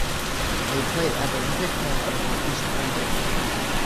They play at Olympic Park on Eastbourne Road.